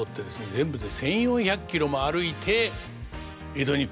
全部で１，４００キロも歩いて江戸に来るんですけど。